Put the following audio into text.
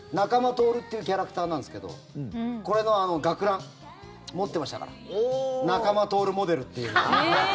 徹っていうキャラクターなんですけどこれの学ラン、持ってましたから中間徹モデルっていうの。